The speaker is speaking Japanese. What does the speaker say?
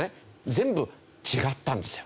全部違ったんですよ。